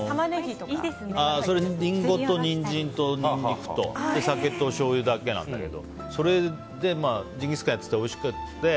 リンゴとニンジンとニンニクと酒としょうゆだけなんだけどそれでジンギスカンやってておいしくて。